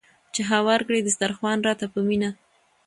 چې هوار کړي دسترخوان راته په مینه